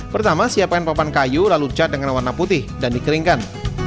pertama siapkan papan kayu lalu cat dengan warna putih dan dikeringkan